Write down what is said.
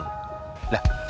loh sepertinya pak bos